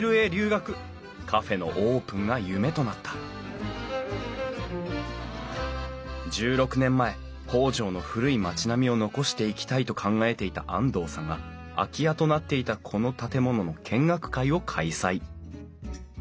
カフェのオープンが夢となった１６年前北条の古い町並みを残していきたいと考えていた安藤さんが空き家となっていたこの建物の見学会を開催。